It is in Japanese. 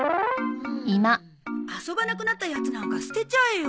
遊ばなくなったやつなんか捨てちゃえよ。